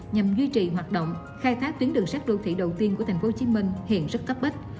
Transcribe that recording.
nhằm duy trì hoạt động khai thác tuyến đường sắt đô thị đầu tiên của tp hcm hiện rất cấp bách